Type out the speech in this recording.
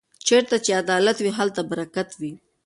چېرته چې عدالت وي هلته برکت وي.